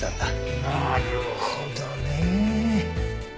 なるほどね。